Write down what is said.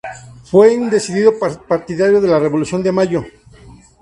Fue un decidido partidario de la Revolución de Mayo.